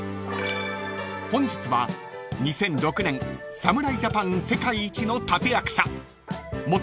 ［本日は２００６年侍ジャパン世界一の立役者元